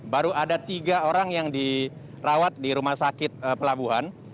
baru ada tiga orang yang dirawat di rumah sakit pelabuhan